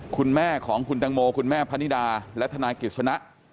คุณแม่ของคุณตังโมคุณแม่พนิดาและทนายกิจสนะ